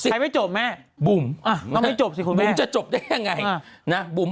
ใครไม่จบใหม่บุ๋ม